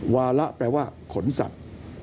วาระแปลว่าขนสัตว์